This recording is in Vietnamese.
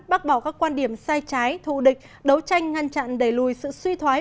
bác bảo các quan điểm sai trái thù địch đấu tranh ngăn chặn đẩy lùi sự suy thoái